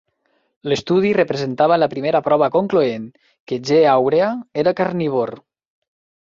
L'estudi representava la primera prova concloent que "G. aurea" era carnívor.